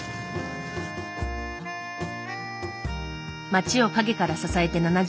町を陰から支えて７０年。